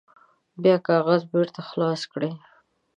بیا کاغذ بیرته خلاص کړئ.